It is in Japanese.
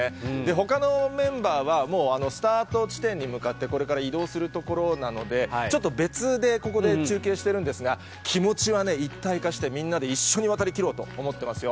ほかのメンバーは、もうスタート地点に向かってこれから移動するところなので、ちょっと別で、ここで中継してるんですが、気持ちはね、一体化して、みんなで一緒に渡り切ろうと思ってますよ。